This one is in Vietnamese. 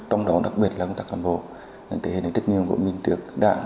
trong đó đặc biệt là công tác cán bộ tế hệ trách nhiệm của minh tiệc đảng